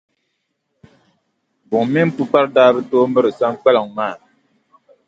Buŋa mini Pukpara daa bi tooi miri Saŋkpaliŋ maa.